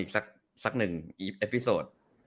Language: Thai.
อีกอีกสักหนึ่งอิปโอปีโซด